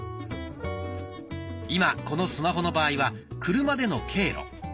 今このスマホの場合は「車での経路」